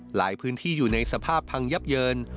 หลายพื้นที่อยู่ในสภาพพังยับเยิน